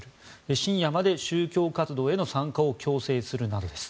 深夜まで宗教活動の参加を強制するなどです。